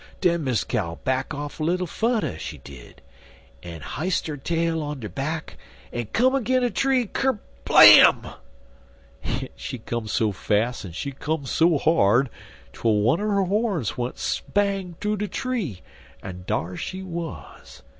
Den Miss Cow back off little fudder, she did, en hi'st her tail on 'er back, en come agin de tree, kerblam! en she come so fas', en she come so hard, twel one 'er her horns went spang thoo de tree, en dar she wuz.